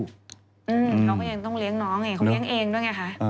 เขาก็ยังต้องเลี้ยงน้องเองเขาเลี้ยงเองด้วยไงคะ